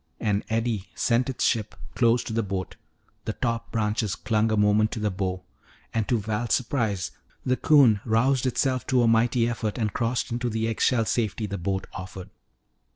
An eddy sent its ship close to the boat; the top branches clung a moment to the bow. And to Val's surprise, the 'coon roused itself to a mighty effort and crossed into the egg shell safety the boat offered.